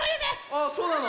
あそうなの？